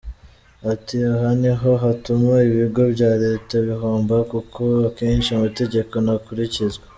Ati ‘Aha ni ho hatuma ibigo bya Leta bihomba kuko akenshi amategeko ntakurikizwa.